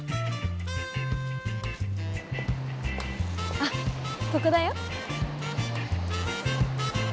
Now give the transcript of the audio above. あっここだよ。